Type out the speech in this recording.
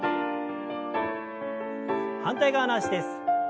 反対側の脚です。